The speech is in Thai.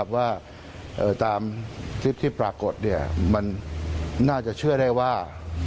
พราบปราบที่ปรากฎมันน่าจะเชื่อได้ว่า